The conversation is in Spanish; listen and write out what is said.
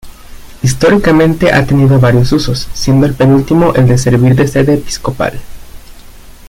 Históricamente ha tenido varios usos, siendo el penúltimo el de servir de sede episcopal.